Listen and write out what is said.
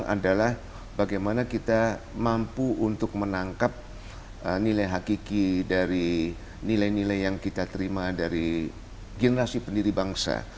adalah bagaimana kita mampu untuk menangkap nilai hakiki dari nilai nilai yang kita terima dari generasi pendiri bangsa